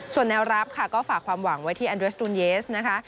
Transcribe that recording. ส่วนแนวรับค่ะก็ฝากความหวังไว้ที่แอนเรสตูนเยสนะคะ